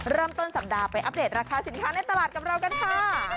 เริ่มต้นสัปดาห์ไปอัปเดตราคาสินค้าในตลาดกับเรากันค่ะ